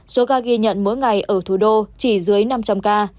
số ca ghi nhận mỗi ngày ở thủ đô chỉ dưới năm trăm linh ca